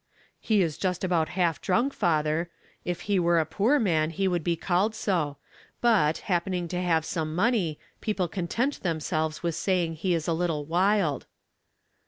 *' He is just about half drunk, father. If he were a poor man he would be called so; but, happening to have some money, people content themselves with saying he is a little wild."